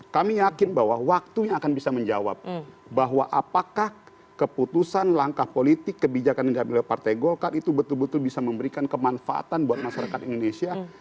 kami yakin bahwa waktunya akan bisa menjawab bahwa apakah keputusan langkah politik kebijakan yang diambil oleh partai golkar itu betul betul bisa memberikan kemanfaatan buat masyarakat indonesia